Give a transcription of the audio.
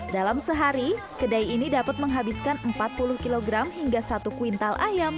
dalam sehari kedai ini dapat menghabiskan empat puluh kg hingga satu kuintal ayam